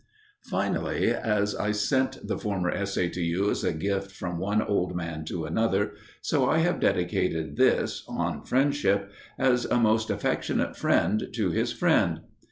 Finally, as I sent the former essay to you as a gift from one old man to another, so I have dedicated this On Friendship as a most affectionate friend to his friend.